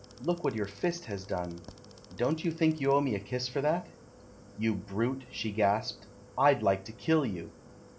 "Look what your fist has done ! Don't you think you owe me a kiss for that?" "You brute," she gasped, "I'd like to kill you!"